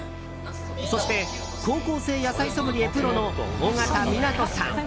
そして、高校生野菜ソムリエプロの緒方湊さん。